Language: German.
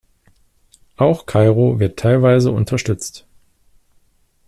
Auch Cairo wird teilweise unterstützt.